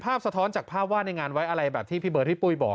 สะท้อนจากภาพวาดในงานไว้อะไรแบบที่พี่เบิร์ดพี่ปุ้ยบอก